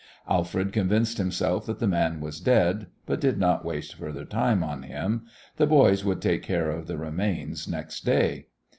Alfred convinced himself that the man was dead, but did not waste further time on him: the boys would take care of the remains next day.